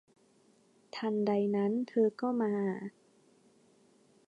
ทันใดนั้นเธอก็มา